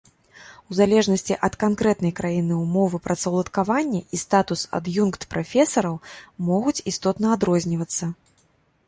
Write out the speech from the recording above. У залежнасці ад канкрэтнай краіны умовы працаўладкавання і статус ад'юнкт-прафесараў могуць істотна адрознівацца.